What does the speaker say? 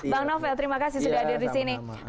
bang novel terima kasih sudah hadir di sini